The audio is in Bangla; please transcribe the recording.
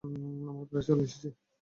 আমরা প্রায় চলে এসেছি।